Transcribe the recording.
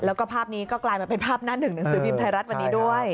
แล้วก็ภาพนี้ก็กลายมาเป็นภาพหน้าหนึ่งหนังสือพิมพ์ไทยรัฐวันนี้ด้วย